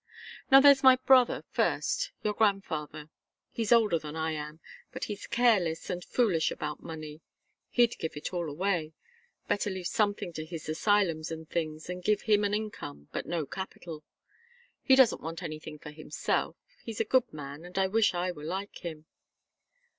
Now there's my brother, first your grandfather. He's older than I am, but he's careless and foolish about money. He'd give it all away better leave something to his asylums and things, and give him an income but no capital. He doesn't want anything for himself he's a good man, and I wish I were like him.